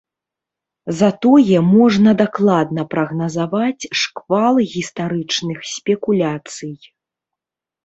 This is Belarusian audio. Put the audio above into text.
Затое можна дакладна прагназаваць шквал гістарычных спекуляцый.